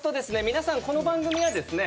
皆さんこの番組はですね